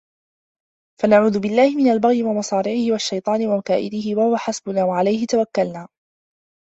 فَنَعُوذُ بِاَللَّهِ مِنْ الْبَغْيِ وَمَصَارِعِهِ ، وَالشَّيْطَانِ وَمَكَائِدِهِ ، وَهُوَ حَسْبُنَا وَعَلَيْهِ تَوَكُّلُنَا